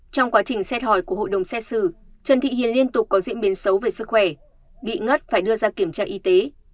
trong quá trình xét hỏi của hội đồng xét xử trần thị hiền liên tục có diễn biến xấu về sức khỏe bị ngất phải đưa ra kiểm tra y tế